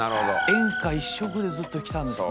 演歌一色でずっときたんですね。